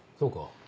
そうか。